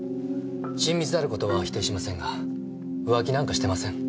親密である事は否定しませんが浮気なんかしてません。